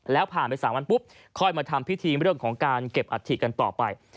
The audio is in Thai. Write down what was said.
แล้วผ่านไป๓วันปุ๊บค่อยมาทำพิธีเรื่องของการเก็บอัฐิกันต่อไป